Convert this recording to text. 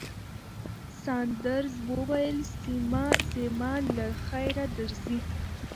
ساندرز وویل، سېمه، له خیره درځئ.